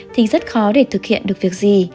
thì rất khó để thực hiện được việc gì